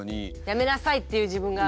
やめなさいっていう自分が。